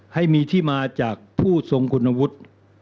ให้มีที่มาจากผู้ทรงคุณวุฒิ